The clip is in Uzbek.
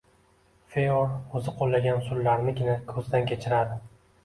Feor o‘zi qo‘llagan usullarnigina ko‘zdan kechiradi.